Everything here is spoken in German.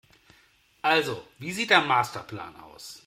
Also, wie sieht der Masterplan aus?